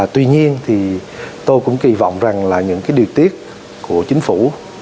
tuy nhiên thì tôi cũng kỳ vọng rằng là những cái điều tiết của chính phủ